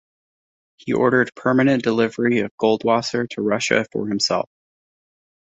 He ordered permanent delivery of Goldwasser to Russia for himself.